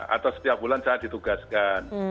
atau setiap bulan saya ditugaskan